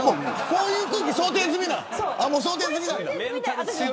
こういう空気、想定済みなの。